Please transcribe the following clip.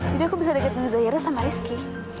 jadi aku bisa deketin zaira sama rizky